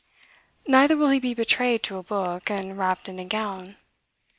Neither will he be betrayed to a book, and wrapped in a gown.